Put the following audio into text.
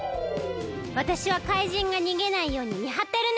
わたしはかいじんがにげないようにみはってるね。